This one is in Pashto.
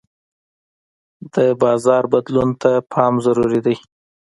د بازار بدلون ته پام ضروري دی.